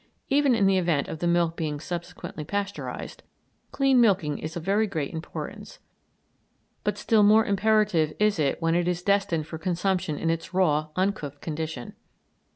Even in the event of the milk being subsequently Pasteurised, clean milking is of very great importance; but still more imperative is it when it is destined for consumption in its raw, uncooked condition.